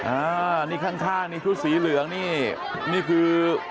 อ่านี่ข้างข้างนี่ชุดสีเหลืองนี่นี่คือ